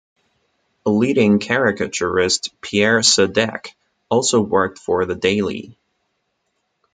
Leading caricaturist Pierre Sadek also worked for the daily.